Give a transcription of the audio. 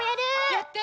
やって。